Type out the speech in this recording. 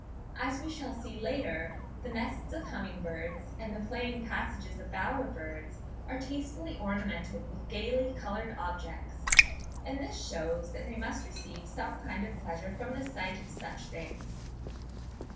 As we shall see later, the nests of humming birds, and the playing passages of bower birds are tastefully ornamented with gaily coloured objects; and this shews that they must receive some kind of pleasure from the sight of such things.